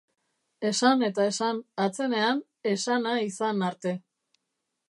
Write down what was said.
Esan eta esan, atzenean, esana izan arte.